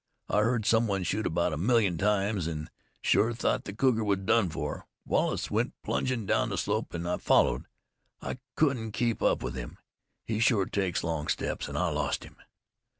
I heard some one shoot about a million times, an' shore thought the cougar was done for. Wallace went plungin' down the slope an' I followed. I couldn't keep up with him he shore takes long steps an' I lost him.